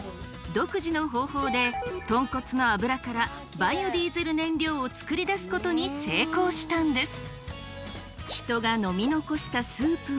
独自の方法でとんこつの油からバイオディーゼル燃料を作り出すことに成功したんです。